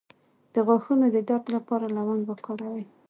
د غاښونو د درد لپاره لونګ وکاروئ